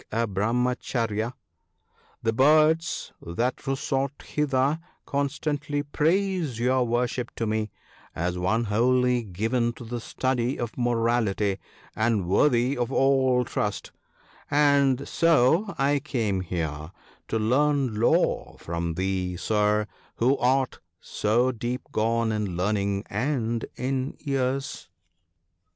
$5 a Bramacharya ("), The birds that resort hither con stantly praise your worship to me as one wholly given to the study of morality, and worthy of all trust ; and so I came here to leam law from thee, Sir, who art so deep gone in learning and in years.